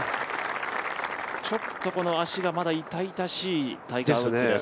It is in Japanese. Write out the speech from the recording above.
ちょっと足が痛々しいタイガー・ウッズです。